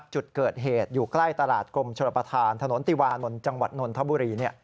จุดเกิดเหตุอยู่ใกล้ตลาดกรมชนประธานถนนติวานนท์จังหวัดนนทบุรี